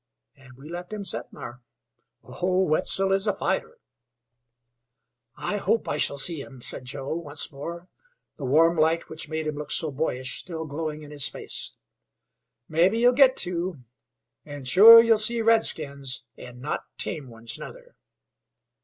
An' we left him settin' thar. Oh, Wetzel is a fighter!" "I hope I shall see him," said Joe once more, the warm light, which made him look so boyish, still glowing in his face. "Mebbe ye'll git to; and sure ye'll see redskins, an' not tame ones, nuther."